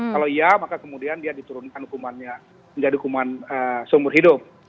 kalau iya maka kemudian dia diturunkan hukumannya menjadi hukuman seumur hidup